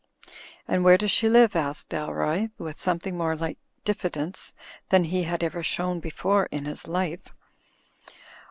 "And where does she live?" asked Dalroy, with something more like diffidence than he had ever shown before in his life.